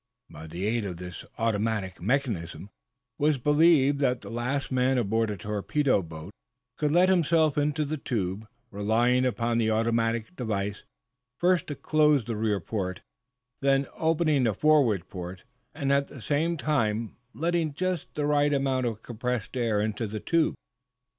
By the aid of this automatic mechanism it was believed that the last man aboard a torpedo boat could let himself into the tube, relying upon the automatic device first to close the rear port, then opening the forward port and at the same time letting just the right amount of compressed air into the tube.